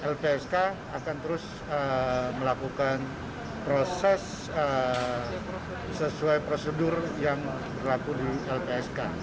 lpsk akan terus melakukan proses sesuai prosedur yang berlaku di lpsk